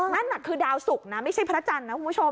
นั่นน่ะคือดาวศุกร์นะไม่ใช่พระจันทร์นะคุณผู้ชม